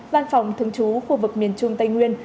văn phòng thường trú khu vực miền trung tây nguyên